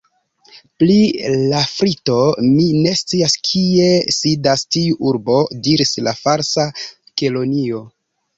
"Pri Lafrito, mi ne scias kie sidas tiu urbo," diris la Falsa Kelonio. "